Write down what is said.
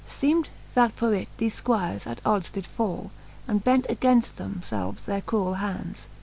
Seemd that for it thefe fquires at ods did fall. And bent againft them felves their cruell hands.